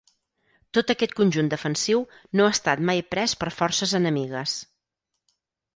Tot aquest conjunt defensiu no ha estat mai pres per forces enemigues.